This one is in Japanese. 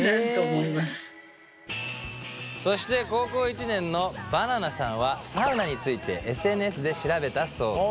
そして高校１年のバナナさんはサウナについてＳＮＳで調べたそうで。